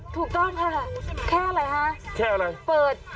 ถูกต้องค่ะแค่ไหมฮะแค่อะไร